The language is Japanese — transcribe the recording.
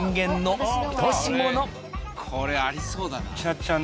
これありそうだな。